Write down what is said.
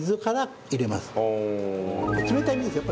冷たい水ですよ